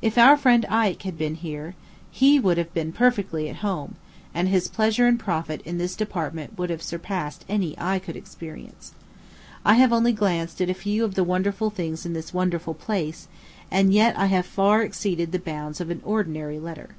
If our friend Ike had been here, lie would have been perfectly at home; and his pleasure and profit in this department would have surpassed any I could experience. I have only glanced at a few of the wonderful things in this wonderful place, and yet I have far exceeded the bounds of an ordinary letter.